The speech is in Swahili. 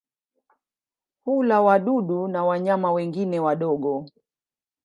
Hula wadudu na wanyama wengine wadogo.